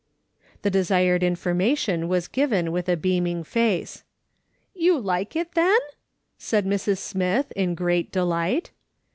The desired information was given with a beaming face. " You like it, then ?" said Mrs. Smith in great delight.